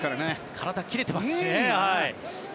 体、切れていますね。